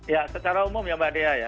ya secara umum ya mbak dea ya